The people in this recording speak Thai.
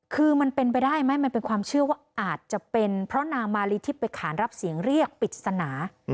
คือมันเป็นไปได้ไหมมันเป็นความเชื่อว่าอาจจะเป็นเพราะนางมาลีทิพย์ไปขานรับเสียงเรียกปริศนา